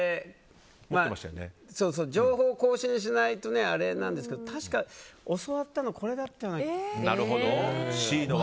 情報更新しないとあれなんですけど確か、教わったのこれだったような。